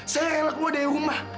saya rela keluar dari rumah